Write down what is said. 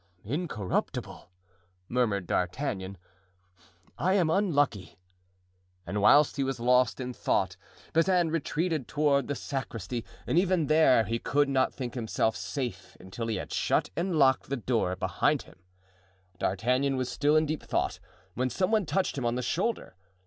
"Incorruptible!" murmured D'Artagnan; "I am unlucky;" and whilst he was lost in thought Bazin retreated toward the sacristy, and even there he could not think himself safe until he had shut and locked the door behind him. D'Artagnan was still in deep thought when some one touched him on the shoulder.